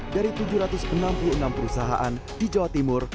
dari tujuh ratus enam puluh enam perusahaan di jawa timur